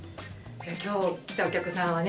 「今日来たお客さんはね